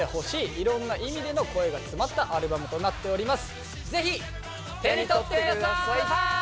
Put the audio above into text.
いろんな意味での声が詰まったアルバムとなっております。